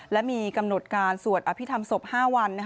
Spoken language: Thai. และมีกำหนดการสวดอภิษฐรรมศพ๕วัน